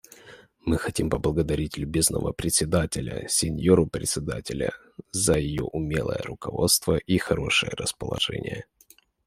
Мы хотим поблагодарить любезного Председателя — сеньору Председателя — за ее умелое руководство и хорошее расположение.